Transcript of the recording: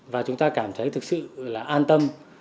và chúng ta cảm thấy thực sự là an tâm